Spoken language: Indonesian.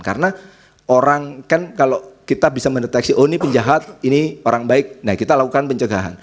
karena orang kan kalau kita bisa mendeteksi oh ini penjahat ini orang baik nah kita lakukan pencegahan